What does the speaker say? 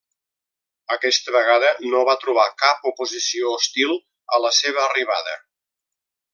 Aquesta vegada no va trobar cap oposició hostil a la seva arribada.